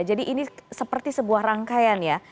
jadi ini seperti sebuah rangkaian ya